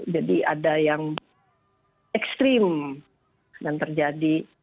jadi ada yang ekstrim yang terjadi